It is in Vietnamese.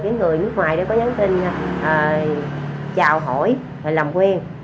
người nước ngoài đã có nhắn tin chào hỏi làm quen